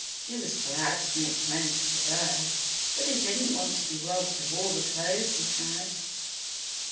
He was glad to make friends with the birds, but he didn't want to be robbed of all the clothes he had.